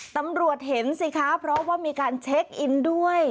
ตำรวจเห็นสิคะเพราะว่ามีการเช็คอินด้วย